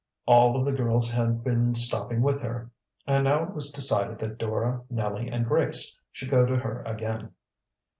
All of the girls had been stopping with her, and now it was decided that Dora, Nellie, and Grace should go to her again.